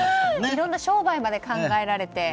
いろんな商売まで考えられて。